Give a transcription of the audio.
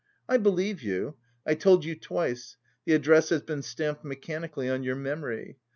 "I believe you. I told you twice. The address has been stamped mechanically on your memory.